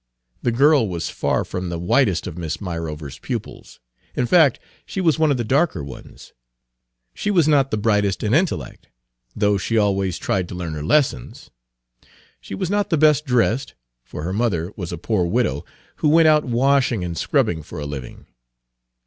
The girl was far from the whitest of Miss Myrover's pupils; in fact, she was one of the darker ones. She was not the brightest in intellect, though she always tried to learn her lessons. She was not the best dressed, for her mother was a poor widow, who went out washing and scrubbing for a living.